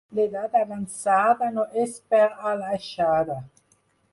L'edat avançada no és per a l'aixada.